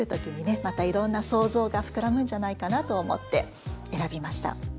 またいろんな想像が膨らむんじゃないかなと思って選びました。